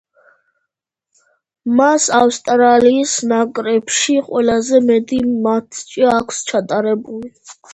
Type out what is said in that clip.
მას ავსტრალიის ნაკრებში ყველაზე მეტი მატჩი აქვს ჩატარებული.